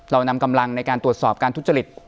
เรานำกำลังในการตรวจสอบการทุจริต